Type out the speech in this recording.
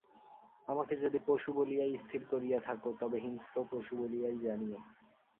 আমাকে যদি পশু বলিয়াই স্থির করিয়া থাক, তবে হিংস্র পশু বলিয়াই জানিয়ো।